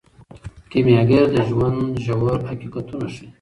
کیمیاګر د ژوند ژور حقیقتونه ښیي.